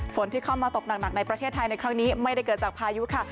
ฝนที่เข้ามาตกหนักในประเทศไทยในครั้งนี้ไม่ได้เกิดจากพายุค่ะ